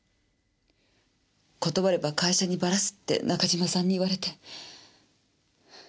断れば会社にばらすって中島さんに言われて。